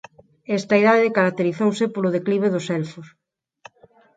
Esta idade caracterizouse polo declive dos Elfos.